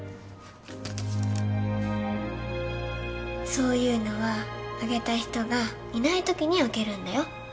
そういうのはあげた人がいないときに開けるんだよ。